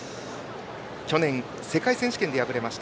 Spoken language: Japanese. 去年、世界選手権で敗れました。